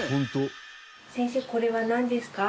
先生これはなんですか？